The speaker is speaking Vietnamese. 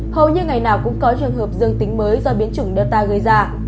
hầu như ngày nào cũng có trường hợp dương tính mới do biến chủng delta gây ra